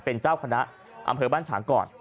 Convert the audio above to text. เป็นเจ้าคณะอำเภอบ้านฉางก่อน